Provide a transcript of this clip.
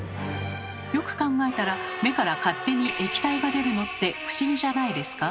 よく考えたら目から勝手に液体が出るのって不思議じゃないですか？